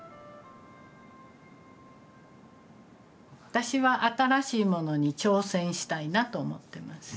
私は新しいものに挑戦したいなと思ってます。